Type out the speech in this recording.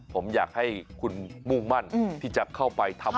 ผมอยากให้คุณมุ่งมั่นที่จะเข้าไปทำ